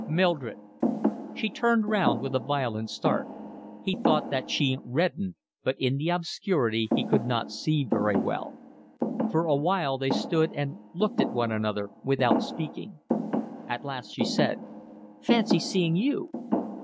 "Mildred." She turned round with a violent start. He thought that she reddened, but in the obscurity he could not see very well. For a while they stood and looked at one another without speaking. At last she said: "Fancy seeing you!"